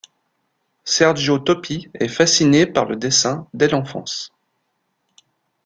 Sergio Toppi est fasciné par le dessin dès l'enfance.